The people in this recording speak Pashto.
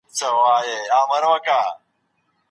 ایا تکړه پلورونکي جلغوزي پروسس کوي؟